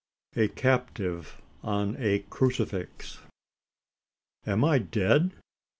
A CAPTIVE ON A CRUCIFIX. Am I dead?